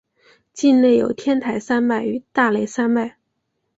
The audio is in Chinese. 境内有天台山脉与大雷山脉。